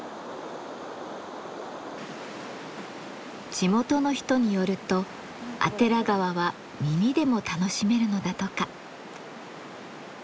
地元の人によると阿寺川は耳でも楽しめるのだとか。